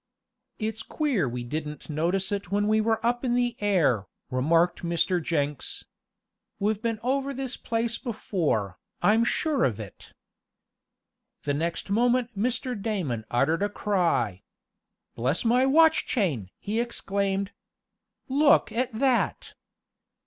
"It's queer we didn't notice it when we were up in the air," remarked Mr. Jenks. "We've been over this place before, I'm sure of it." The next moment Mr. Damon uttered a cry. "Bless my watch chain!" he exclaimed. "Look at that!"